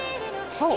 そう。